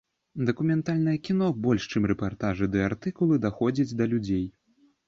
Дакументальнае кіно больш чым рэпартажы ды артыкулы даходзіць да людзей.